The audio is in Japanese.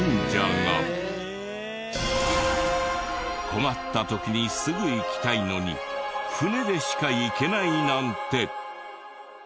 困った時にすぐ行きたいのに船でしか行けないなんて！